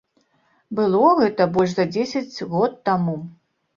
Было гэта больш за дзесяць год таму.